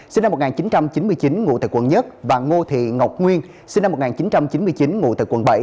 sinh năm một nghìn chín trăm chín mươi chín ngụ tại quận một và ngô thị ngọc nguyên sinh năm một nghìn chín trăm chín mươi chín ngụ tại quận bảy